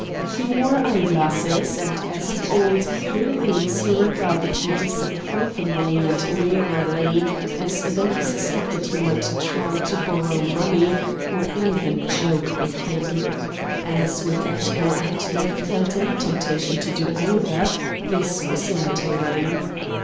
He wore eye glasses, and as of old through these he regarded you disapprovingly and warily as though he suspected you might try to borrow money, or even joke with him. As with Edgar I had never felt any temptation to do either, this was irritating.